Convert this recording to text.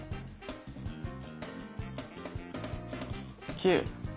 ９！